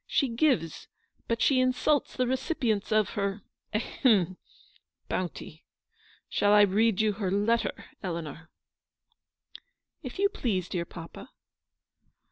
She gives, but she insults the recipients of her — ahem — bounty. Shall I read you her letter, Eleanor ?"" If you please, dear papa."